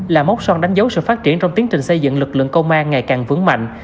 là mốc son đánh dấu sự phát triển trong tiến trình xây dựng lực lượng công an ngày càng vững mạnh